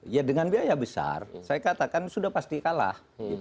ya dengan biaya besar saya katakan sudah pasti kalah